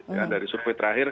ya dari survei terakhir